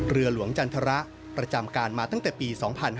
เรือหลวงจันทรประจำการมาตั้งแต่ปี๒๕๕๙